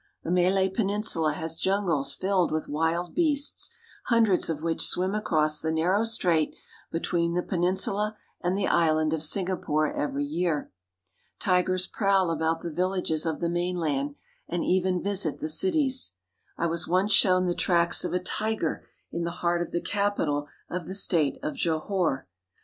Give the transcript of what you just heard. The Malay Peninsula has jungles filled with wild beasts, hundreds of which swim across the narrow strait between the peninsula and the island of Singapore every year. Tigers prowl about the villages of the mainland and even visit the cities. I was once shown the tracks of a tiger in the heart of the capital of the state of Johore.